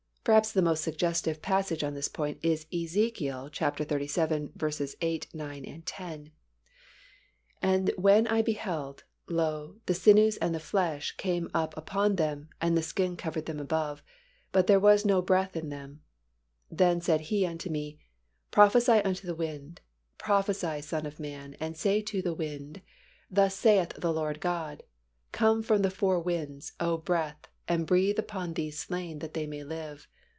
Perhaps the most suggestive passage on this point is Ezek. xxxvii. 8, 9, 10, "And when I beheld, lo, the sinews and the flesh came up upon them, and the skin covered them above: but there was no breath in them. Then said He unto me, Prophesy unto the wind, prophesy, son of man, and say to the wind, Thus saith the Lord GOD; Come from the four winds, O breath, and breathe upon these slain, that they may live.